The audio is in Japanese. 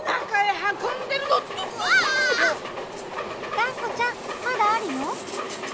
がんこちゃんまだあるよ。